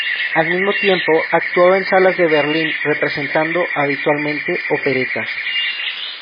Al mismo tiempo, actuaba en salas de Berlín representando habitualmente operetas.